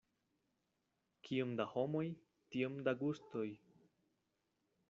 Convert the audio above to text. Kiom da homoj, tiom da gustoj.